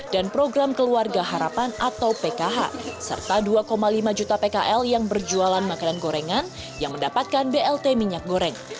dan program keluarga harapan atau pkh serta dua lima juta pkl yang berjualan makanan gorengan yang mendapatkan blt minyak goreng